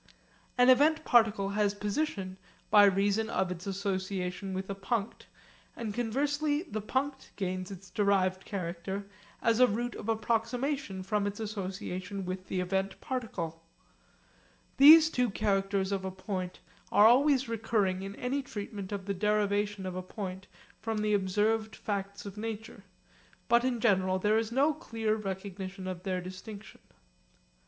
An event particle has position by reason of its association with a punct, and conversely the punct gains its derived character as a route of approximation from its association with the event particle. These two characters of a point are always recurring in any treatment of the derivation of a point from the observed facts of nature, but in general there is no clear recognition of their distinction.